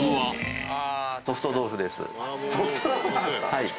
はい。